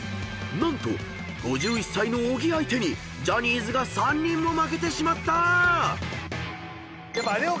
［何と５１歳の小木相手にジャニーズが３人も負けてしまった！］